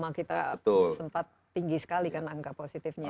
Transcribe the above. mungkin karena trauma kita sempat tinggi sekali kan angka positifnya